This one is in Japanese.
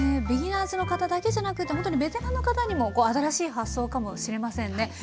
ビギナーズの方だけじゃなくほんとにベテランの方にも新しい発想かもしれませんね。